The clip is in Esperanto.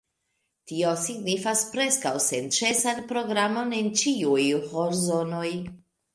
Tio signifas preskaŭ senĉesan programon en ĉiuj horzonoj.